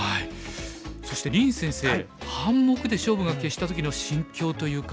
そして林先生半目で勝負が決した時の心境というか。